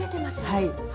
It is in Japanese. はい。